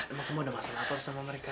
emang kamu ada masalah apa bersama mereka